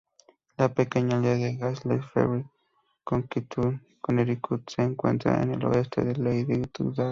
La pequeña aldea de Gales Ferry, Connecticut se encuentra en el oeste de Ledyard.